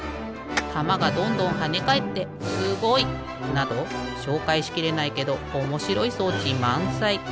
たまがどんどんはねかえってすごい！などしょうかいしきれないけどおもしろい装置まんさい！